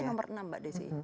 kita masih nomor enam mbak desi